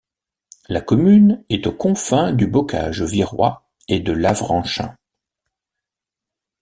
La commune est aux confins du Bocage virois et de l'Avranchin.